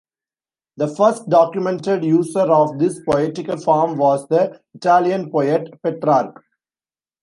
The first documented user of this poetical form was the Italian poet, Petrarch.